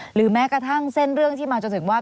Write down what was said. หรือแม้กระทั่งเส้นเรื่องที่มาจนถึงว่า